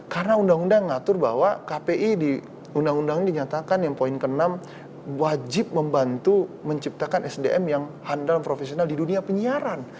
karena undang undang mengatur bahwa kpi di undang undang ini dinyatakan yang poin ke enam wajib membantu menciptakan sdm yang handal profesional di dunia penyiaran